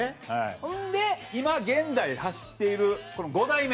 ほんで今現代走っているこの５代目。